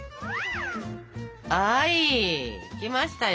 はいできましたよ。